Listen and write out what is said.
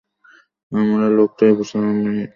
আমরা লোকটাকে সামলাছি, সে যেই হোক না কেন।